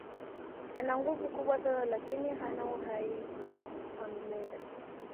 Ana nguvu kubwa sana lakini hana uhai wa milele.